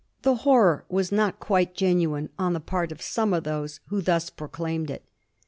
The horror was not quite genuine on the part of some who thus pro claimed it.